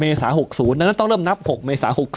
เมษา๖๐ดังนั้นต้องเริ่มนับ๖เมษา๖๒